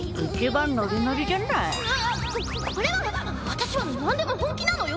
私はなんでも本気なのよ。